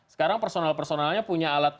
sekarang personal personalnya punya alat